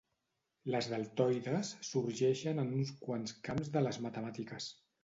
Les deltoides sorgeixen en uns quants camps de les matemàtiques.